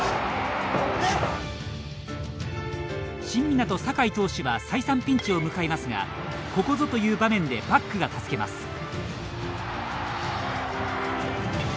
新湊・酒井投手は再三、ピンチを迎えますがここぞという場面でバックが助けます。